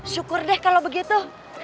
syukur deh kalau begitu